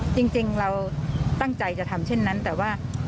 จริงเราตั้งใจจะทำเช่นนั้นแต่ว่า